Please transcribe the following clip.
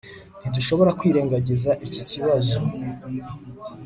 ntidushobora kwirengagiza iki kibazo